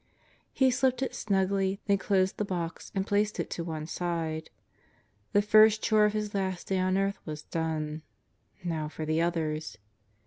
He slipped it in snugly, then closed the box and placed it to one side. The first chore of his last day on earth was done. Now for the others.